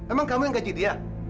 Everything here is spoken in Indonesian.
emang kamu yang gaji dia